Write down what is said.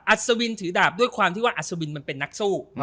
อัศวินถือดาบด้วยความที่ว่าอัศวินมันเป็นนักสู้